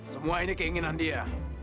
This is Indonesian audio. semua ini keinginan dia